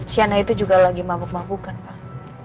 sienna itu juga lagi mabuk mabuk kan pak